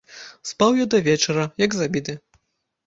Спаў я да вечара, як забіты.